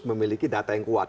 memiliki data yang kuat